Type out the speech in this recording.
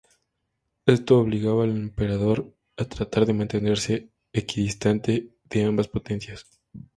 Esto obligaba al emperador a tratar de mantenerse equidistante de ambas potencias.